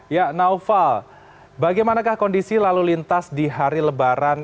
ya naufal bagaimanakah kondisi lalu lintas di hari lebaran